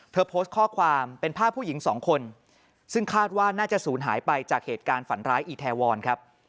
โพสต์ข้อความเป็นภาพผู้หญิงสองคนซึ่งคาดว่าน่าจะศูนย์หายไปจากเหตุการณ์ฝันร้ายอีแทวรครับ